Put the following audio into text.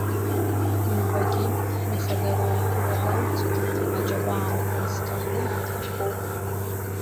Ҩбагьы, ихадароу иуадаҩӡоу, аџьабаа ӷәӷәа зҭаху акоуп.